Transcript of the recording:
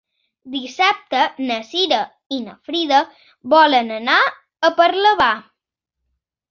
Dissabte na Cira i na Frida volen anar a Parlavà.